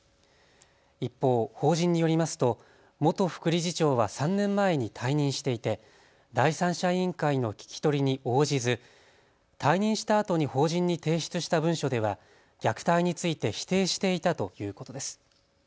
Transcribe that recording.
一方、法人によりますと元副理事長は３年前に退任していて第三者委員会の聞き取りに応じず退任したあとに法人に提出した文書では虐待について否定していたということです。